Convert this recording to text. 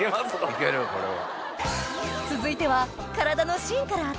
いけるこれは。